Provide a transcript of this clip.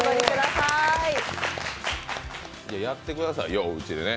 やってくださいよ、うちでね。